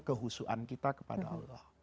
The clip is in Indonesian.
kehusuan kita kepada allah